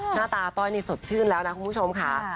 หน้าตาต้อยนี่สดชื่นแล้วนะคุณผู้ชมค่ะ